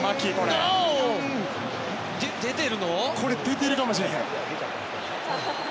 これ、出てるかもしれへん。